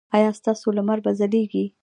ایا ستاسو لمر به ځلیږي؟